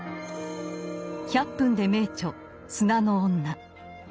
「１００分ｄｅ名著」「砂の女」。